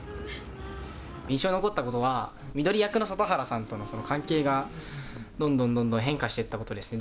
印象に残ったことは翠役の外原さんとのその関係がどんどんどんどん変化していったことですね。